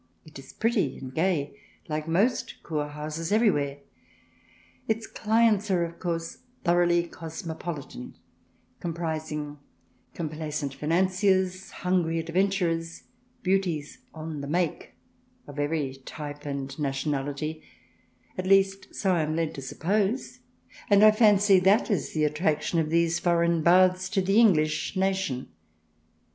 It is pretty and gay, like most Kur houses everywhere. Its clients are, of course, thoroughly cosmopolitan, comprising complacent financiers, hungry adventurers, beauties " on the make," of every type and nationality — at least, so I am led to suppose, and I fancy that is the attraction of these foreign baths to the English nation.